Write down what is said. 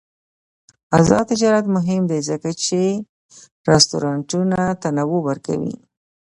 آزاد تجارت مهم دی ځکه چې رستورانټونه تنوع ورکوي.